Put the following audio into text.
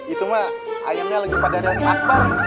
itu mah ayamnya lagi pada lagi akbar